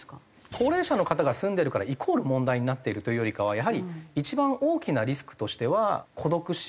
高齢者の方が住んでるからイコール問題になっているというよりかはやはり一番大きなリスクとしては孤独死。